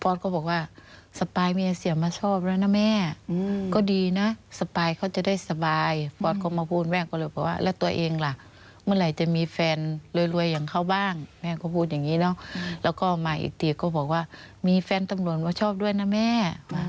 ก็บอกว่าสปายเมียเสียมาชอบแล้วนะแม่ก็ดีนะสปายเขาจะได้สบายฟอสก็มาพูดแม่งก็เลยบอกว่าแล้วตัวเองล่ะเมื่อไหร่จะมีแฟนรวยอย่างเขาบ้างแม่ก็พูดอย่างนี้เนอะแล้วก็มาอีกทีก็บอกว่ามีแฟนตำรวจว่าชอบด้วยนะแม่